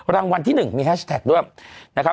รางวัลที่๑มีแฮชแท็กด้วยนะครับ